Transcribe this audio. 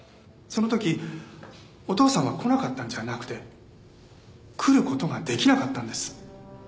その時お父さんは来なかったんじゃなくて来る事ができなかったんです。